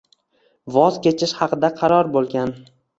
Voz kechish haqida qaror bo'lgan.